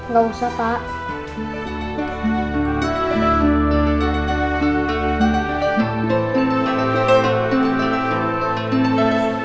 gak usah pak